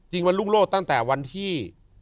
จริงว่ารุ่งโรดตั้งแต่วันที่